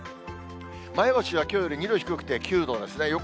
前橋はきょうより２度低くて、９度ですね。